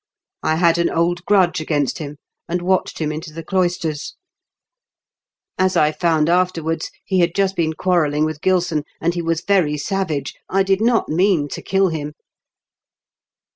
I had an old grudge against him, and watched him into the cloisters. As I found 202 IN KENT WITH OEAELES DICKENS. afterwards, lie had just been quarrelling with GUson, and he was very savage. I did not mean to kill him.